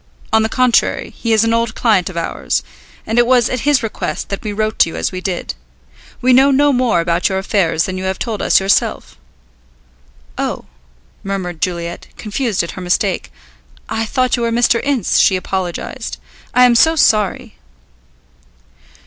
On the contrary, he is an old client of ours, and it was at his request that we wrote to you as we did. We know no more about your affairs than you have told us yourself." "Oh," murmured Juliet, confused at her mistake. "I thought you were Mr. Ince," she apologized; "I am so sorry."